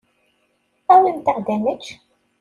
Awimt-aɣ-d ad nečč.